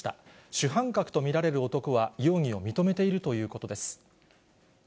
主犯格と見られる男は容疑を認めているということです。